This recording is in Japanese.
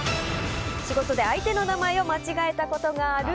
仕事で相手の名前を間違えたことがある？